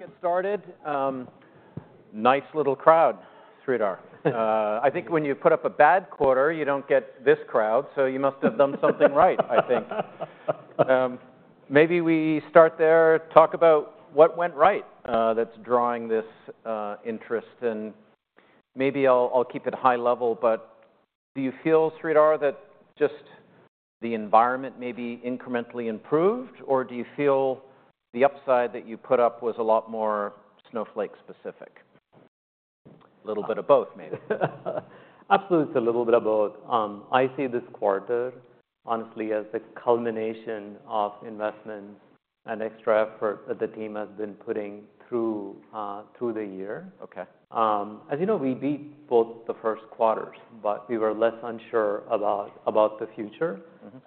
Okay, well, let's get started. Nice little crowd, Sridhar. I think when you put up a bad quarter, you don't get this crowd, so you must have done something right, I think. Maybe we start there, talk about what went right that's drawing this interest, and maybe I'll keep it high level, but do you feel, Sridhar, that just the environment maybe incrementally improved, or do you feel the upside that you put up was a lot more Snowflake specific? A little bit of both, maybe. Absolutely, it's a little bit of both. I see this quarter, honestly, as the culmination of investments and extra effort that the team has been putting through the year. Okay. As you know, we beat both the first quarters, but we were less unsure about the future.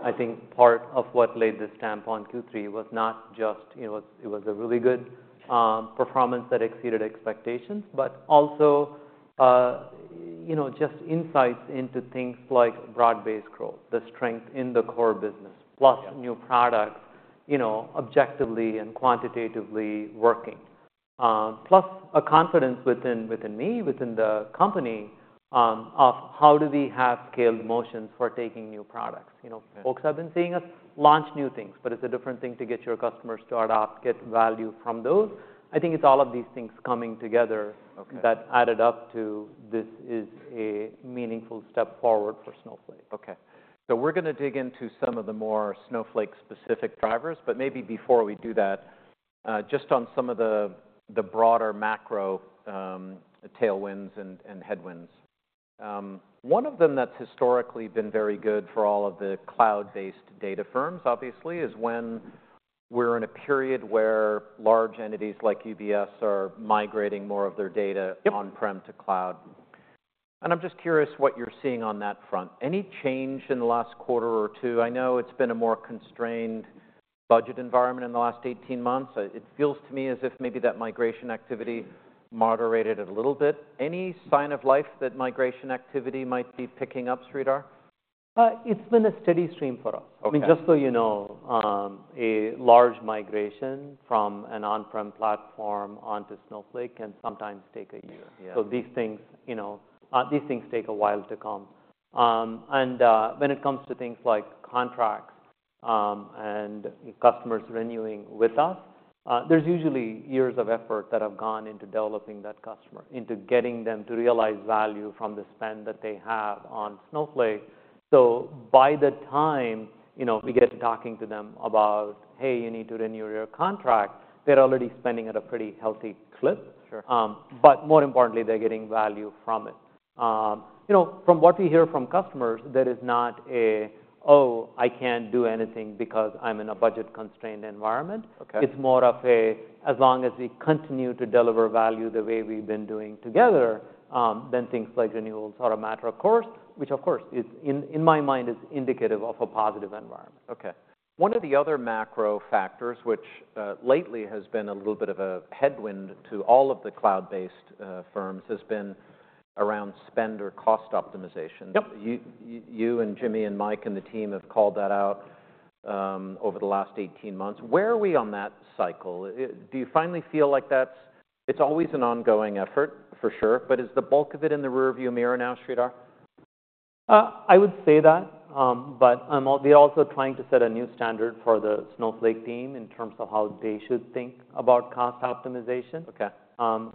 I think part of what laid the stamp on Q3 was not just, you know, it was a really good performance that exceeded expectations, but also, you know, just insights into things like broad-based growth, the strength in the core business, plus new products, you know, objectively and quantitatively working, plus a confidence within me, within the company, of how do we have scaled motions for taking new products. You know, folks have been seeing us launch new things, but it's a different thing to get your customers to adopt, get value from those. I think it's all of these things coming together that added up to this is a meaningful step forward for Snowflake. Okay. So we're going to dig into some of the more Snowflake specific drivers, but maybe before we do that, just on some of the broader macro tailwinds and headwinds. One of them that's historically been very good for all of the cloud-based data firms, obviously, is when we're in a period where large entities like UBS are migrating more of their data on-prem to cloud. And I'm just curious what you're seeing on that front. Any change in the last quarter or two? I know it's been a more constrained budget environment in the last 18 months. It feels to me as if maybe that migration activity moderated it a little bit. Any sign of life that migration activity might be picking up, Sridhar? It's been a steady stream for us. I mean, just so you know, a large migration from an on-prem platform onto Snowflake can sometimes take a year. So these things, you know, these things take a while to come. And when it comes to things like contracts and customers renewing with us, there's usually years of effort that have gone into developing that customer, into getting them to realize value from the spend that they have on Snowflake. So by the time, you know, we get to talking to them about, hey, you need to renew your contract, they're already spending at a pretty healthy clip. But more importantly, they're getting value from it. You know, from what we hear from customers, there is not a, oh, I can't do anything because I'm in a budget constrained environment. It's more of a, as long as we continue to deliver value the way we've been doing together, then things like renewals are a matter of course, which of course, in my mind, is indicative of a positive environment. Okay. One of the other macro factors, which lately has been a little bit of a headwind to all of the cloud-based firms, has been around spend or cost optimization. You and Jimmy and Mike and the team have called that out over the last 18 months. Where are we on that cycle? Do you finally feel like that it's always an ongoing effort, for sure, but is the bulk of it in the rearview mirror now, Sridhar? I would say that, but we're also trying to set a new standard for the Snowflake team in terms of how they should think about cost optimization,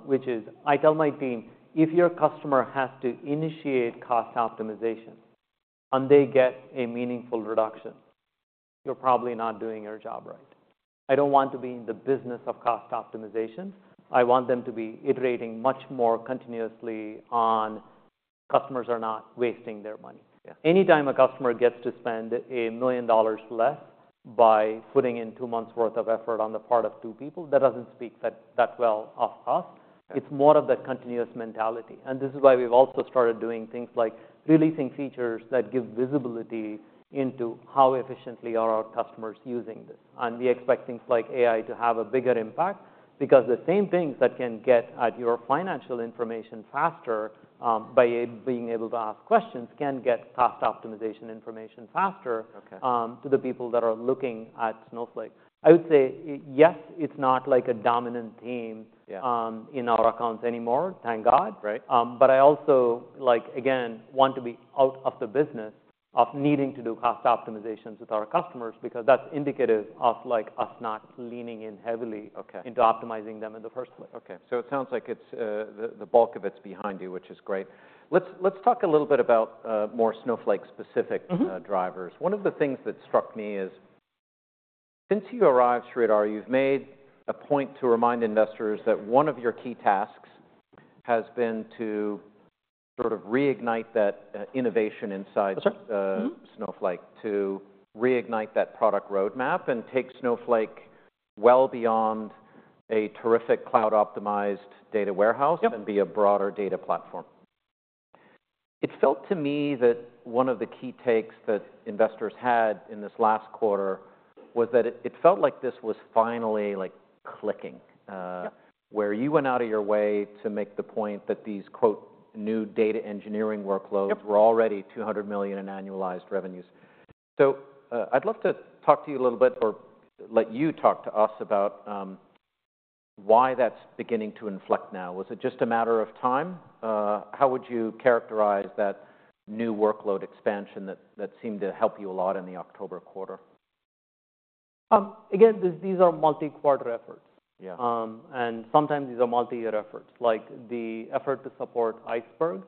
which is I tell my team, if your customer has to initiate cost optimization and they get a meaningful reduction, you're probably not doing your job right. I don't want to be in the business of cost optimization. I want them to be iterating much more continuously on customers are not wasting their money. Anytime a customer gets to spend $1 million less by putting in two months' worth of effort on the part of two people, that doesn't speak that well of us. It's more of that continuous mentality. And this is why we've also started doing things like releasing features that give visibility into how efficiently are our customers using this. We expect things like AI to have a bigger impact because the same things that can get at your financial information faster by being able to ask questions can get cost optimization information faster to the people that are looking at Snowflake. I would say, yes, it's not like a dominant theme in our accounts anymore, thank God, but I also, like, again, want to be out of the business of needing to do cost optimizations with our customers because that's indicative of like us not leaning in heavily into optimizing them in the first place. Okay. So it sounds like the bulk of it's behind you, which is great. Let's talk a little bit about more Snowflake specific drivers. One of the things that struck me is since you arrived, Sridhar, you've made a point to remind investors that one of your key tasks has been to sort of reignite that innovation inside Snowflake, to reignite that product roadmap and take Snowflake well beyond a terrific cloud-optimized data warehouse and be a broader data platform. It felt to me that one of the key takes that investors had in this last quarter was that it felt like this was finally like clicking, where you went out of your way to make the point that these quote new data engineering workloads were already $200 million in annualized revenues. So I'd love to talk to you a little bit or let you talk to us about why that's beginning to inflect now. Was it just a matter of time? How would you characterize that new workload expansion that seemed to help you a lot in the October quarter? Again, these are multi-quarter efforts, and sometimes these are multi-year efforts. Like the effort to support Iceberg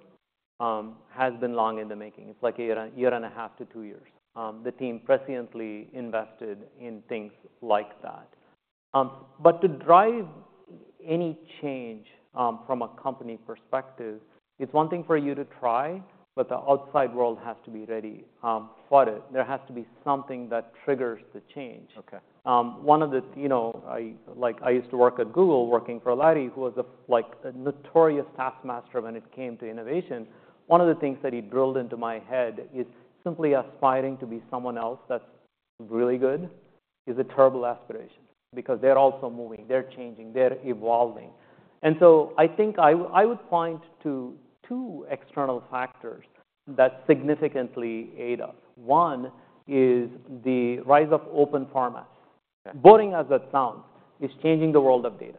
has been long in the making. It's like a year and a half to two years. The team presciently invested in things like that. But to drive any change from a company perspective, it's one thing for you to try, but the outside world has to be ready for it. There has to be something that triggers the change. One of the, you know, like I used to work at Google, working for Larry, who was like a notorious taskmaster when it came to innovation. One of the things that he drilled into my head is simply aspiring to be someone else that's really good is a terrible aspiration because they're also moving, they're changing, they're evolving, and so I think I would point to two external factors that significantly aid us. One is the rise of open formats. Boring as that sounds, it's changing the world of data.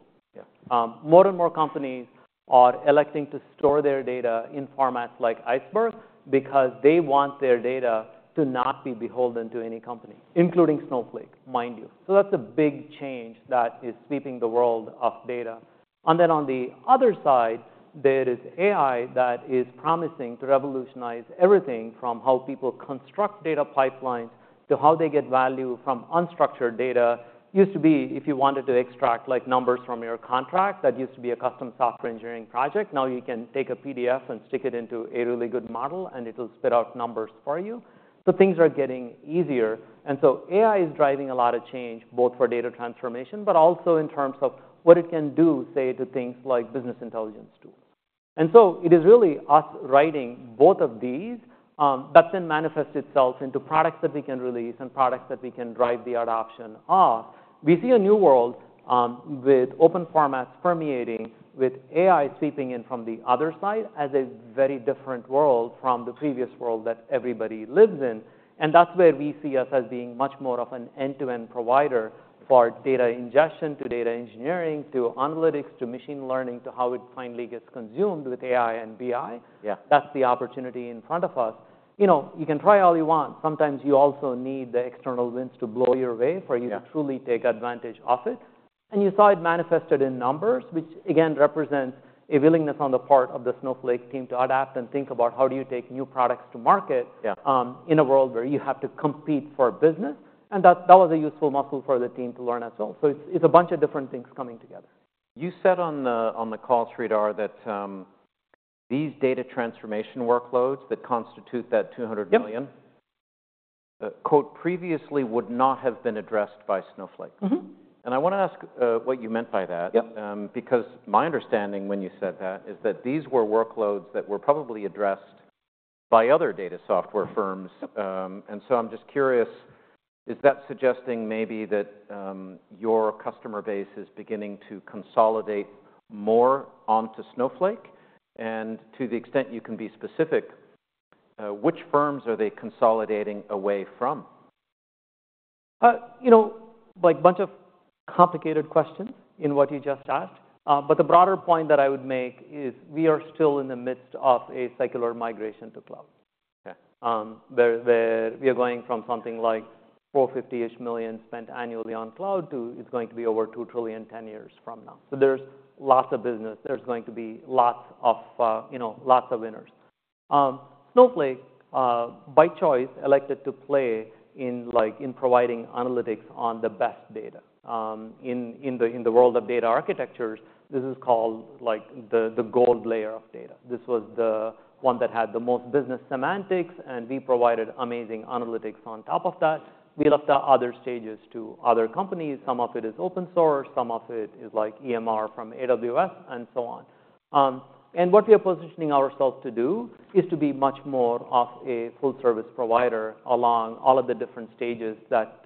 More and more companies are electing to store their data in formats like Iceberg because they want their data to not be beholden to any company, including Snowflake, mind you. So that's a big change that is sweeping the world of data, and then on the other side, there is AI that is promising to revolutionize everything from how people construct data pipelines to how they get value from unstructured data. Used to be, if you wanted to extract like numbers from your contract, that used to be a custom software engineering project. Now you can take a PDF and stick it into a really good model and it'll spit out numbers for you, so things are getting easier. And so AI is driving a lot of change, both for data transformation, but also in terms of what it can do, say, to things like business intelligence tools. And so it is really us writing both of these that then manifests itself into products that we can release and products that we can drive the adoption of. We see a new world with open formats permeating with AI sweeping in from the other side as a very different world from the previous world that everybody lives in. And that's where we see us as being much more of an end-to-end provider for data ingestion to data engineering to analytics to machine learning to how it finally gets consumed with AI and BI. That's the opportunity in front of us. You know, you can try all you want. Sometimes you also need the external winds to blow your way for you to truly take advantage of it. And you saw it manifested in numbers, which again represents a willingness on the part of the Snowflake team to adapt and think about how do you take new products to market in a world where you have to compete for business. And that was a useful muscle for the team to learn as well. So it's a bunch of different things coming together. You said on the call, Sridhar, that these data transformation workloads that constitute that $200 million quote previously would not have been addressed by Snowflake. And I want to ask what you meant by that because my understanding when you said that is that these were workloads that were probably addressed by other data software firms. And so I'm just curious, is that suggesting maybe that your customer base is beginning to consolidate more onto Snowflake? And to the extent you can be specific, which firms are they consolidating away from? You know, like a bunch of complicated questions in what you just asked, but the broader point that I would make is we are still in the midst of a secular migration to cloud. We are going from something like $450 million-ish spent annually on cloud to, it's going to be over $2 trillion 10 years from now. So there's lots of business. There's going to be lots of, you know, lots of winners. Snowflake, by choice, elected to play in like in providing analytics on the best data. In the world of data architectures, this is called like the gold layer of data. This was the one that had the most business semantics, and we provided amazing analytics on top of that. We left the other stages to other companies. Some of it is open source, some of it is like EMR from AWS and so on. What we are positioning ourselves to do is to be much more of a full service provider along all of the different stages that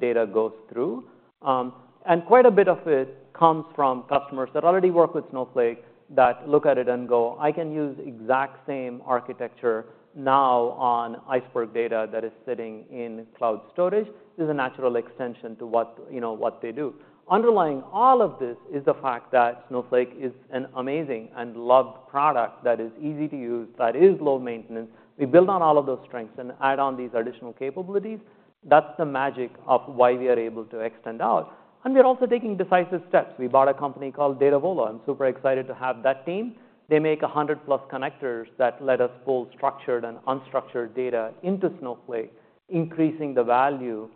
data goes through. Quite a bit of it comes from customers that already work with Snowflake that look at it and go, I can use exact same architecture now on Iceberg data that is sitting in cloud storage. This is a natural extension to what they do. Underlying all of this is the fact that Snowflake is an amazing and loved product that is easy to use, that is low maintenance. We build on all of those strengths and add on these additional capabilities. That's the magic of why we are able to extend out. We're also taking decisive steps. We bought a company called Datavolo. I'm super excited to have that team. They make 100 plus connectors that let us pull structured and unstructured data into Snowflake, increasing the value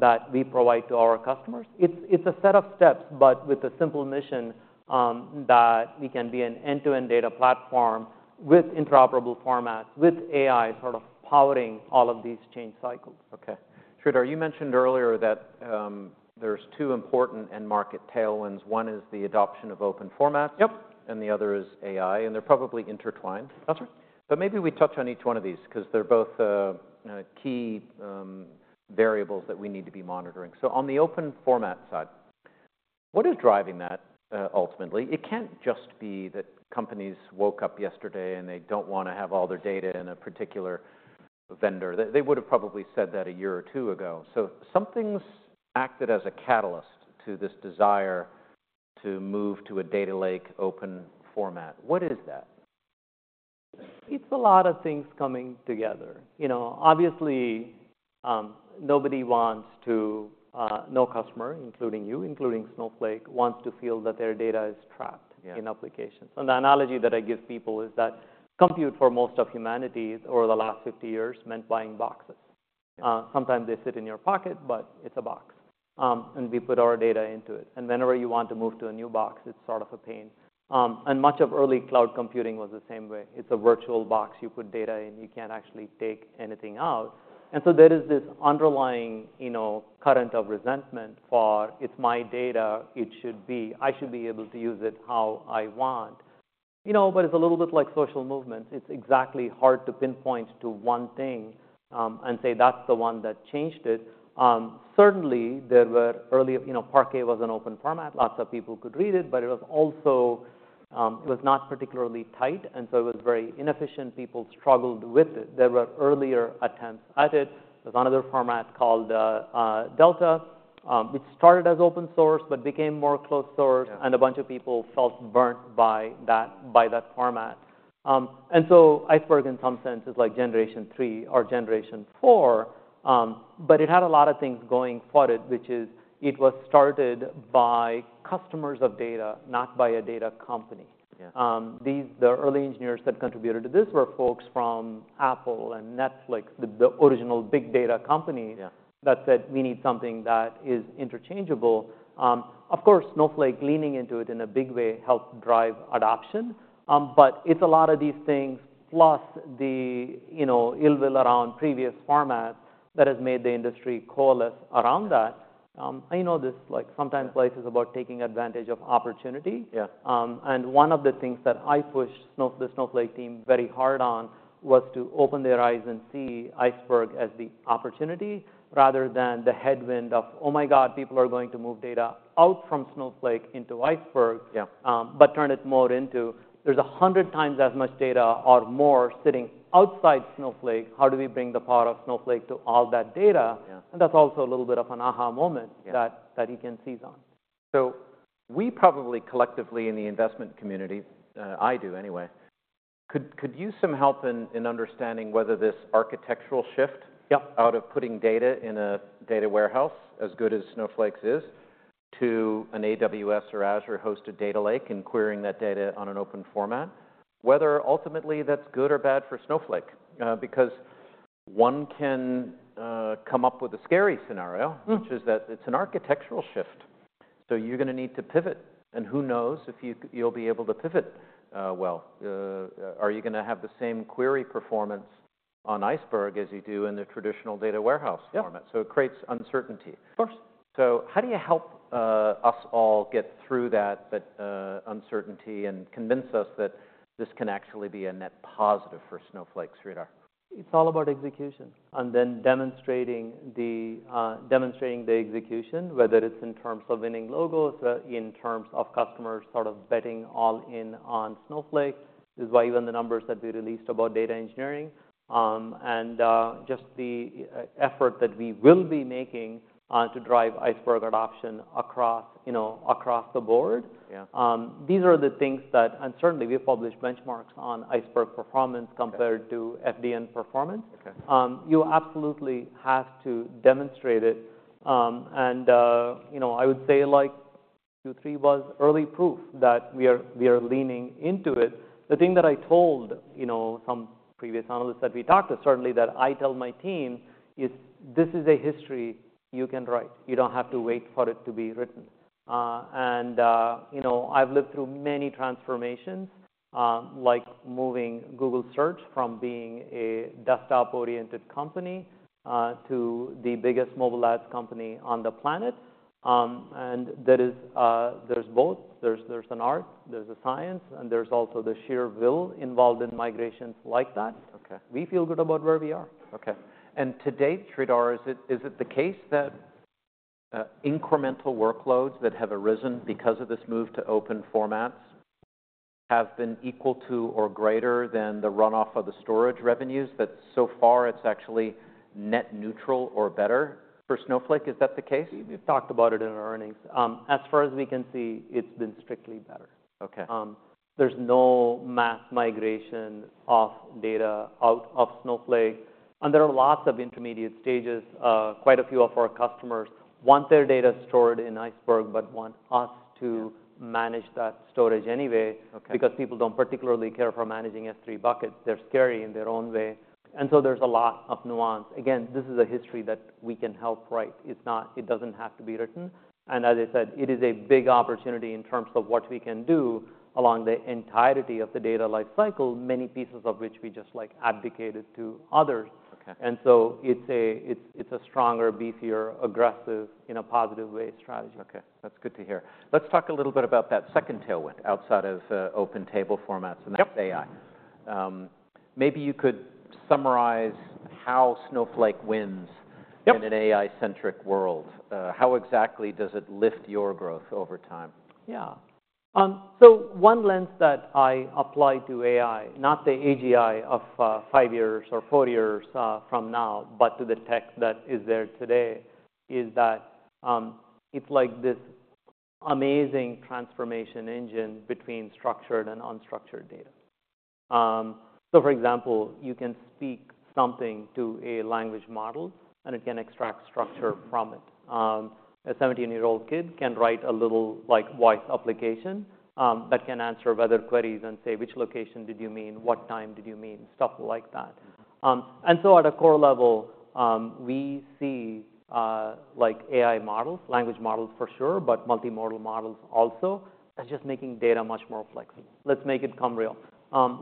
that we provide to our customers. It's a set of steps, but with a simple mission that we can be an end-to-end data platform with interoperable formats, with AI sort of powering all of these change cycles. Okay. Sridhar, you mentioned earlier that there's two important market tailwinds. One is the adoption of open formats, and the other is AI, and they're probably intertwined. But maybe we touch on each one of these because they're both key variables that we need to be monitoring. So on the open format side, what is driving that ultimately? It can't just be that companies woke up yesterday and they don't want to have all their data in a particular vendor. They would have probably said that a year or two ago. So something's acted as a catalyst to this desire to move to a data lake open format. What is that? It's a lot of things coming together. You know, obviously nobody wants to, no customer, including you, including Snowflake, wants to feel that their data is trapped in applications. And the analogy that I give people is that compute for most of humanity over the last 50 years meant buying boxes. Sometimes they sit in your pocket, but it's a box. And we put our data into it. And whenever you want to move to a new box, it's sort of a pain. And much of early cloud computing was the same way. It's a virtual box you put data in. You can't actually take anything out. And so there is this underlying, you know, current of resentment for it's my data. It should be, I should be able to use it how I want. You know, but it's a little bit like social movements. It's hard to pinpoint exactly one thing and say that's the one that changed it. Certainly there were early, you know, Parquet was an open format. Lots of people could read it, but it was also, it was not particularly tight. And so it was very inefficient. People struggled with it. There were earlier attempts at it. There's another format called Delta, which started as open source, but became more closed source, and a bunch of people felt burnt by that format. And so Iceberg, in some sense, is like generation three or generation four, but it had a lot of things going for it, which is it was started by consumers of data, not by a data company. These, the early engineers that contributed to this were folks from Apple and Netflix, the original big data company that said we need something that is interchangeable. Of course, Snowflake leaning into it in a big way helped drive adoption, but it's a lot of these things plus the, you know, ill will around previous formats that has made the industry coalesce around that. I know this like sometimes life is about taking advantage of opportunity. And one of the things that I pushed the Snowflake team very hard on was to open their eyes and see Iceberg as the opportunity rather than the headwind of, oh my God, people are going to move data out from Snowflake into Iceberg, but turn it more into there's 100 times as much data or more sitting outside Snowflake. How do we bring the power of Snowflake to all that data? And that's also a little bit of an aha moment that you can seize on. So we probably collectively in the investment community, I do anyway, could use some help in understanding whether this architectural shift out of putting data in a data warehouse as good as Snowflake's is to an AWS- or Azure-hosted data lake and querying that data on an open format, whether ultimately that's good or bad for Snowflake because one can come up with a scary scenario, which is that it's an architectural shift. So you're going to need to pivot. And who knows if you'll be able to pivot well. Are you going to have the same query performance on Iceberg as you do in the traditional data warehouse format? So it creates uncertainty. So how do you help us all get through that uncertainty and convince us that this can actually be a net positive for Snowflake, Sridhar? It's all about execution, and then demonstrating the execution, whether it's in terms of winning logos, in terms of customers sort of betting all in on Snowflake. This is why even the numbers that we released about data engineering and just the effort that we will be making to drive Iceberg adoption across the board. These are the things that, and certainly we've published benchmarks on Iceberg performance compared to FDN performance. You absolutely have to demonstrate it, and you know, I would say like two, three was early proof that we are leaning into it. The thing that I told, you know, some previous analysts that we talked to, certainly that I tell my team is this is a history you can write. You don't have to wait for it to be written. You know, I've lived through many transformations, like moving Google Search from being a desktop-oriented company to the biggest mobile ads company on the planet. There's both. There's an art, there's a science, and there's also the sheer will involved in migrations like that. We feel good about where we are. Okay. And today, Sridhar, is it the case that incremental workloads that have arisen because of this move to open formats have been equal to or greater than the runoff of the storage revenues that so far it's actually net neutral or better for Snowflake? Is that the case? We've talked about it in our earnings. As far as we can see, it's been strictly better. There's no mass migration of data out of Snowflake. And there are lots of intermediate stages. Quite a few of our customers want their data stored in Iceberg, but want us to manage that storage anyway because people don't particularly care for managing S3 buckets. They're scary in their own way. And so there's a lot of nuance. Again, this is a history that we can help write. It doesn't have to be written. And as I said, it is a big opportunity in terms of what we can do along the entirety of the data life cycle, many pieces of which we just abdicated to others. And so it's a stronger, beefier, aggressive, in a positive way, strategy. Okay. That's good to hear. Let's talk a little bit about that second tailwind outside of open table formats and that's AI. Maybe you could summarize how Snowflake wins in an AI-centric world. How exactly does it lift your growth over time? Yeah. So one lens that I apply to AI, not the AGI of five years or four years from now, but to the tech that is there today, is that it's like this amazing transformation engine between structured and unstructured data. So for example, you can speak something to a language model and it can extract structure from it. A 17-year-old kid can write a little like voice application that can answer weather queries and say, "Which location did you mean? What time did you mean?" Stuff like that. And so at a core level, we see like AI models, language models for sure, but multimodal models also, that's just making data much more flexible. Let's make it come real.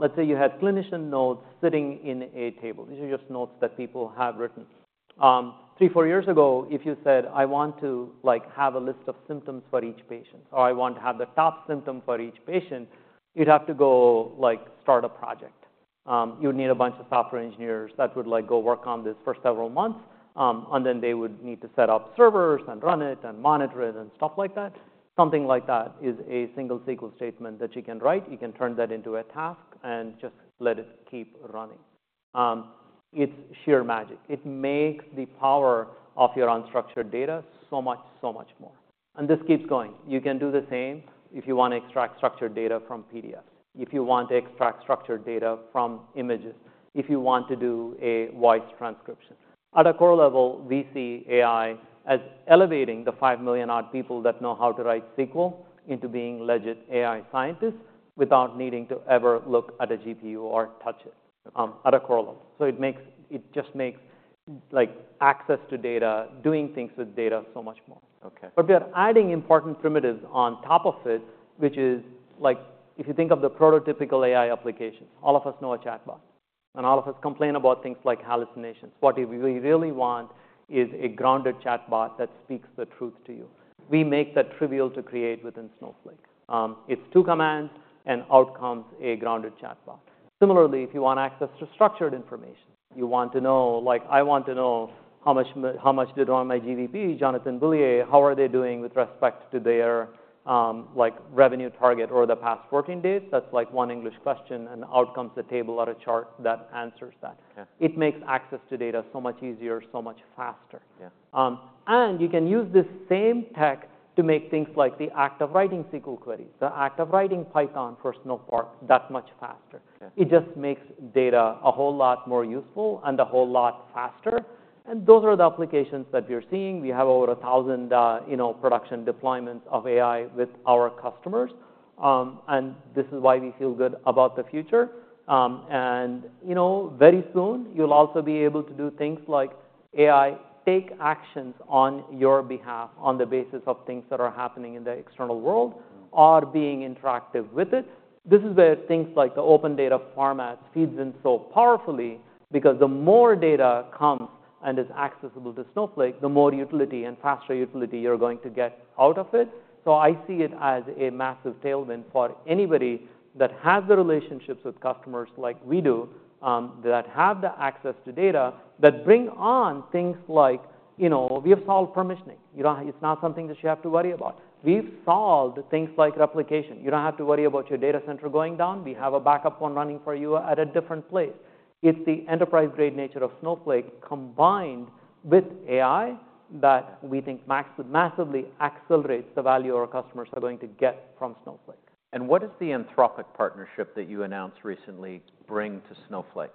Let's say you had clinician notes sitting in a table. These are just notes that people have written. Three, four years ago, if you said, "I want to like have a list of symptoms for each patient or I want to have the top symptom for each patient," you'd have to go like start a project. You'd need a bunch of software engineers that would like go work on this for several months, and then they would need to set up servers and run it and monitor it and stuff like that. Something like that is a single SQL statement that you can write. You can turn that into a task and just let it keep running. It's sheer magic. It makes the power of your unstructured data so much, so much more. And this keeps going. You can do the same if you want to extract structured data from PDFs, if you want to extract structured data from images, if you want to do a voice transcription. At a core level, we see AI as elevating the five million odd people that know how to write SQL into being legit AI scientists without needing to ever look at a GPU or touch it. At a core level. So it just makes like access to data, doing things with data so much more. But we are adding important primitives on top of it, which is like if you think of the prototypical AI applications, all of us know a chatbot. And all of us complain about things like hallucinations. What we really want is a grounded chatbot that speaks the truth to you. We make that trivial to create within Snowflake. It's two commands and out comes a grounded chatbot. Similarly, if you want access to structured information, you want to know, like I want to know how much did my GVP, Jonathan Billier, how are they doing with respect to their like revenue target over the past 14 days? That's like one English question and out comes a table or a chart that answers that. It makes access to data so much easier, so much faster. And you can use this same tech to make things like the act of writing SQL queries, the act of writing Python for Snowpark that much faster. It just makes data a whole lot more useful and a whole lot faster. And those are the applications that we're seeing. We have over 1,000 production deployments of AI with our customers. And this is why we feel good about the future. And you know, very soon you'll also be able to do things like AI take actions on your behalf on the basis of things that are happening in the external world or being interactive with it. This is where things like the open data formats feeds in so powerfully because the more data comes and is accessible to Snowflake, the more utility and faster utility you're going to get out of it. So I see it as a massive tailwind for anybody that has the relationships with customers like we do that have the access to data that bring on things like, you know, we have solved permissioning. It's not something that you have to worry about. We've solved things like replication. You don't have to worry about your data center going down. We have a backup one running for you at a different place. It's the enterprise-grade nature of Snowflake combined with AI that we think massively accelerates the value our customers are going to get from Snowflake. What does the Anthropic partnership that you announced recently bring to Snowflake?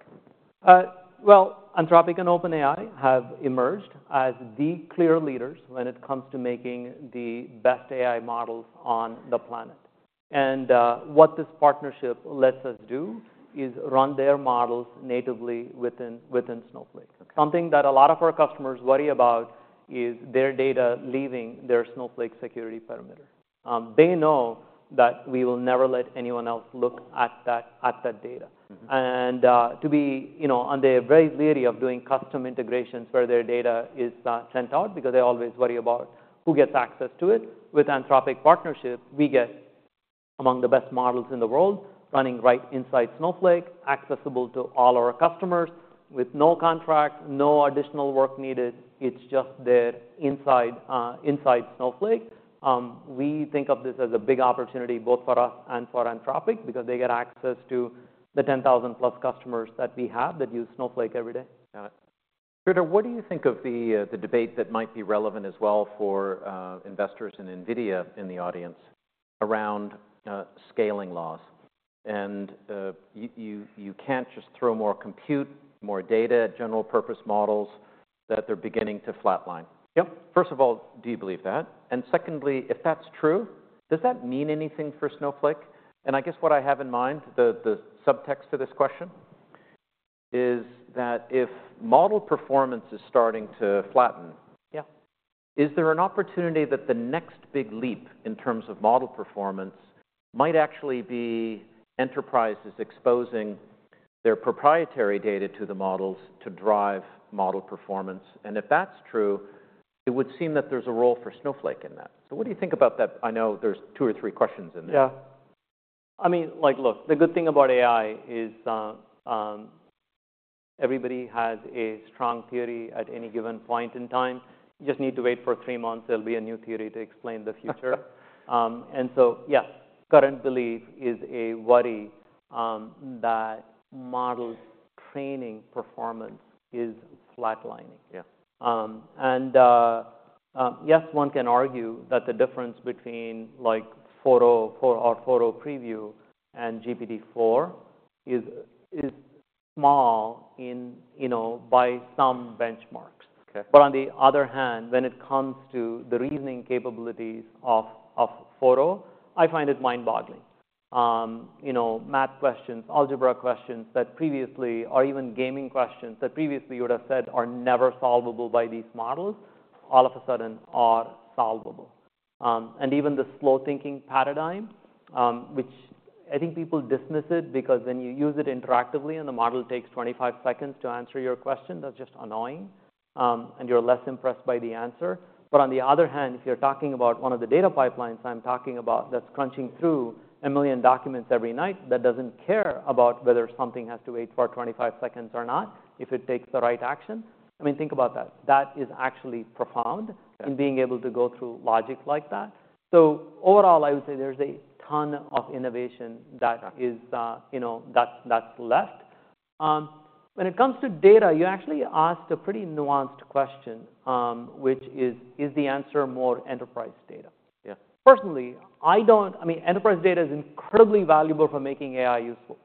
Anthropic and OpenAI have emerged as the clear leaders when it comes to making the best AI models on the planet. What this partnership lets us do is run their models natively within Snowflake. Something that a lot of our customers worry about is their data leaving their Snowflake security perimeter. They know that we will never let anyone else look at that data. They, you know, are very leery of doing custom integrations where their data is sent out because they always worry about who gets access to it. With Anthropic partnership, we get among the best models in the world running right inside Snowflake, accessible to all our customers with no contract, no additional work needed. It's just there inside Snowflake. We think of this as a big opportunity both for us and for Anthropic because they get access to the 10,000 plus customers that we have that use Snowflake every day. Sridhar, what do you think of the debate that might be relevant as well for investors in NVIDIA in the audience around scaling laws? And you can't just throw more compute, more data, general purpose models that they're beginning to flatline. First of all, do you believe that? And secondly, if that's true, does that mean anything for Snowflake? And I guess what I have in mind, the subtext to this question is that if model performance is starting to flatten, is there an opportunity that the next big leap in terms of model performance might actually be enterprises exposing their proprietary data to the models to drive model performance? And if that's true, it would seem that there's a role for Snowflake in that. So what do you think about that? I know there's two or three questions in there. Yeah. I mean, like look, the good thing about AI is everybody has a strong theory at any given point in time. You just need to wait for three months. There'll be a new theory to explain the future. And so yes, current belief is a worry that model training performance is flatlining. And yes, one can argue that the difference between like GPT-4o or GPT-4o-preview and GPT-4 is small by some benchmarks. But on the other hand, when it comes to the reasoning capabilities of GPT-4o, I find it mind-boggling. You know, math questions, algebra questions that previously, or even gaming questions that previously you would have said are never solvable by these models, all of a sudden are solvable. And even the slow thinking paradigm, which I think people dismiss it because when you use it interactively and the model takes 25 seconds to answer your question, that's just annoying and you're less impressed by the answer. But on the other hand, if you're talking about one of the data pipelines I'm talking about that's crunching through a million documents every night that doesn't care about whether something has to wait for 25 seconds or not if it takes the right action. I mean, think about that. That is actually profound in being able to go through logic like that. So overall, I would say there's a ton of innovation that is, you know, that's left. When it comes to data, you actually asked a pretty nuanced question, which is, is the answer more enterprise data? Personally, I don't, I mean, enterprise data is incredibly valuable for making AI useful.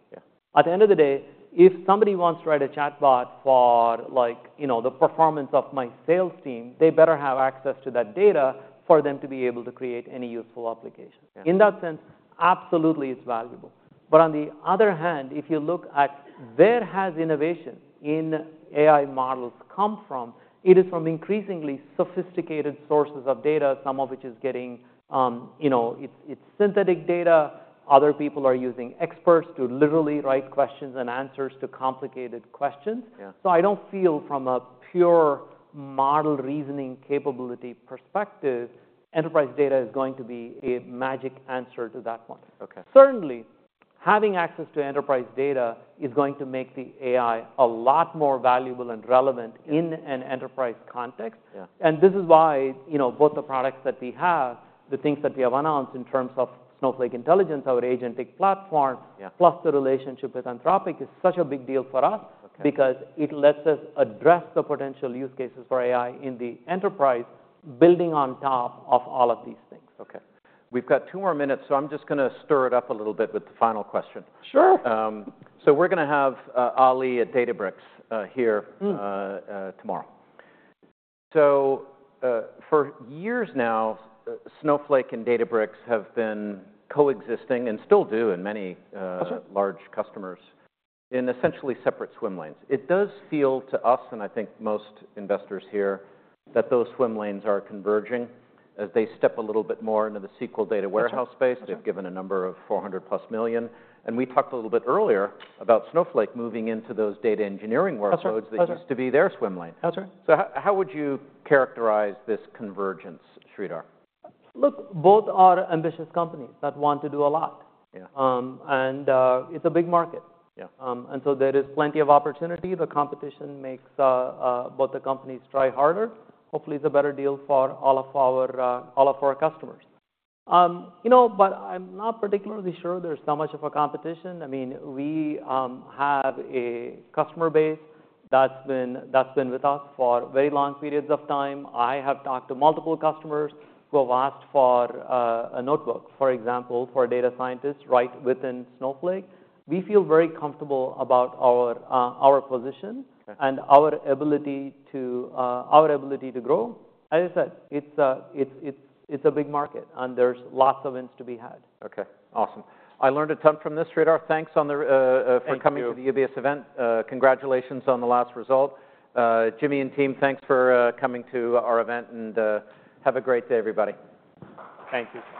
At the end of the day, if somebody wants to write a chatbot for like, you know, the performance of my sales team, they better have access to that data for them to be able to create any useful application. In that sense, absolutely it's valuable. But on the other hand, if you look at where has innovation in AI models come from, it is from increasingly sophisticated sources of data, some of which is getting, you know, it's synthetic data. Other people are using experts to literally write questions and answers to complicated questions. So I don't feel from a pure model reasoning capability perspective, enterprise data is going to be a magic answer to that one. Certainly, having access to enterprise data is going to make the AI a lot more valuable and relevant in an enterprise context. And this is why, you know, both the products that we have, the things that we have announced in terms of Snowflake Intelligence, our agentic platform, plus the relationship with Anthropic is such a big deal for us because it lets us address the potential use cases for AI in the enterprise, building on top of all of these things. Okay. We've got two more minutes, so I'm just going to stir it up a little bit with the final question. Sure. So we're going to have Ali at Databricks here tomorrow. So for years now, Snowflake and Databricks have been coexisting and still do in many large customers in essentially separate swim lanes. It does feel to us, and I think most investors here, that those swim lanes are converging as they step a little bit more into the SQL data warehouse space. They've given a number of 400 plus million. And we talked a little bit earlier about Snowflake moving into those data engineering workloads that used to be their swim lane. So how would you characterize this convergence, Sridhar? Look, both are ambitious companies that want to do a lot, and it's a big market, and so there is plenty of opportunity. The competition makes both the companies try harder. Hopefully, it's a better deal for all of our customers. You know, but I'm not particularly sure there's so much of a competition. I mean, we have a customer base that's been with us for very long periods of time. I have talked to multiple customers who have asked for a notebook, for example, for data scientists right within Snowflake. We feel very comfortable about our position and our ability to grow. As I said, it's a big market and there's lots of wins to be had. Okay. Awesome. I learned a ton from this, Sridhar. Thanks for coming to this event. Congratulations on the last result. Jimmy and team, thanks for coming to our event and have a great day, everybody. Thank you.